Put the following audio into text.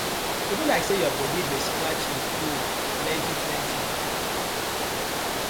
E bi layk say yur bodi dey scratch yu too plenty plenty.